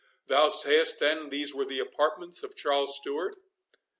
Thou sayest, then, these were the apartments of Charles Stewart?"